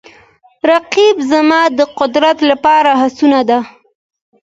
رقیب زما د قوت لپاره هڅونه ده